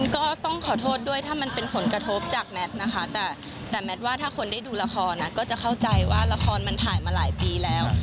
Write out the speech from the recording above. ก็ต้องขอโทษด้วยถ้ามันเป็นผลกระทบจากแมทนะคะแต่แมทว่าถ้าคนได้ดูละครนะก็จะเข้าใจว่าละครมันถ่ายมาหลายปีแล้ว